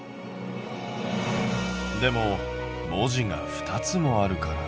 でも文字が２つもあるから。